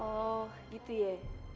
oh gitu ye